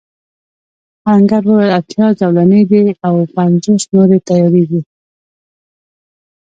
آهنګر وویل اتيا زولنې دي او پنځوس نورې تياریږي.